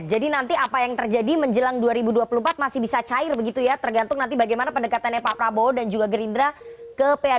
jadi nanti apa yang terjadi menjelang dua ribu dua puluh empat masih bisa cair begitu ya tergantung nanti bagaimana pendekatannya pak prabowo dan juga gerindra ke dunia